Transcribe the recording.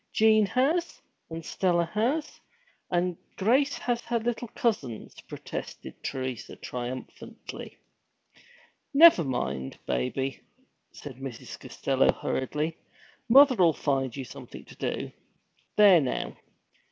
Jean has, and Stella has, and Grace has her little cousins!' protested Teresa triumphantly. 'Never mind, baby,' said Mrs. Costello hurriedly. 'Mother'll find you something to do. There now!